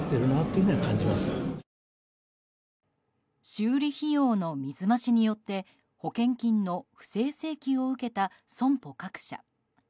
修理費用の水増しによって保険金の不正請求を受けた損保各社。